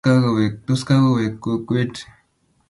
Tos kakoweek kokwet?